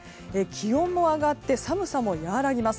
気温も上がって寒さも和らぎます。